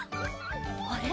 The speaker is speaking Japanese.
あれ？